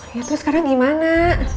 ya terus sekarang gimana